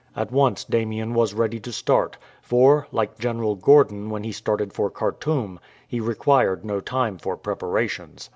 At once Damien was ready to start, for, like General Gordon when he started for Khartoum, he required no time for prepara tions.